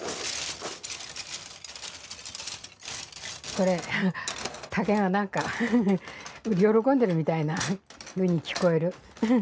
これ竹が何か喜んでるみたいなふうに聞こえる。